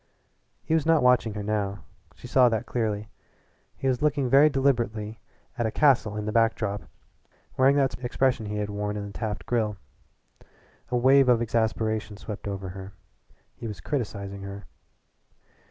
He was not watching her now. She saw that clearly. He was looking very deliberately at a castle on the back drop, wearing that expression he had worn in the Taft Grill. A wave of exasperation swept over her he was criticising her.